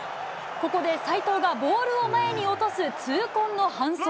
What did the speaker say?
ここで齋藤がボールを前に落とす痛恨の反則。